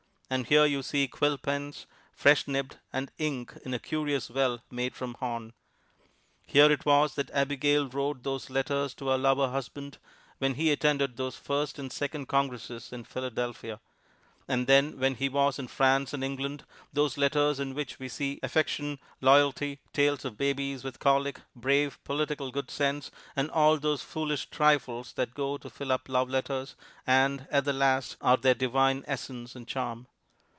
And here you see quill pens, fresh nibbed, and ink in a curious well made from horn. Here it was that Abigail wrote those letters to her lover husband when he attended those first and second Congresses in Philadelphia; and then when he was in France and England, those letters in which we see affection, loyalty, tales of babies with colic, brave, political good sense, and all those foolish trifles that go to fill up love letters, and, at the last, are their divine essence and charm.